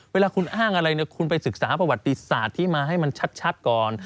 เวลาคุณอ้างอะไรเนี่ยคุณไปศึกษาประวัติศาสตร์ที่มาให้มันชัดก่อน